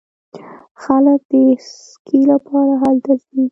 خلک د سکي لپاره هلته ځي.